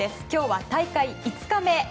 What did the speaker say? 今日は大会５日目。